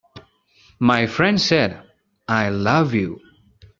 My friend said: "I love you."